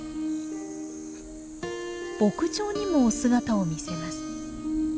牧場にも姿を見せます。